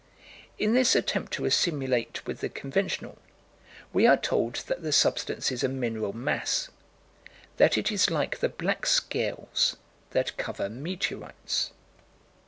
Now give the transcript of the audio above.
In this attempt to assimilate with the conventional, we are told that the substance is a mineral mass: that it is like the black scales that cover meteorites.